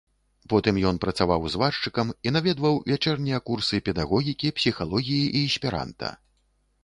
Потым ён працаваў зваршчыкам і наведваў вячэрнія курсы педагогікі, псіхалогіі і эсперанта.